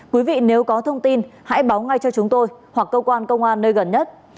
quý vị nếu có thông tin hãy báo ngay cho chúng tôi hoặc cơ quan công an nơi gần nhất